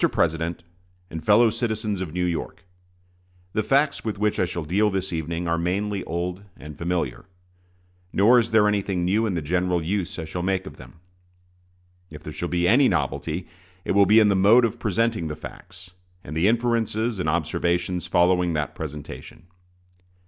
PRESIDENT AND FELLOW CITIZENS OF NEW YORK: The facts with which I shall deal this evening are mainly old and familiar; nor is there anything new in the general use I shall make of them. If there shall be any novelty, it will be in the mode of presenting the facts, and the inferences and observations following that presentation.